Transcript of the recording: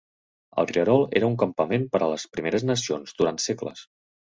El rierol era un campament per a les Primeres Nacions durant segles.